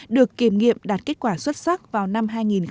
được kiểm nghiệm đạt kết quả xuất sắc vào năm hai nghìn một mươi một